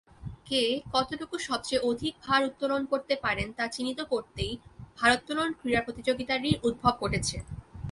কে, কতটুকু সবচেয়ে অধিক ভার উত্তোলন করতে পারেন তা চিহ্নিত করতেই ভারোত্তোলন ক্রীড়া প্রতিযোগিতাটির উদ্ভব ঘটেছে।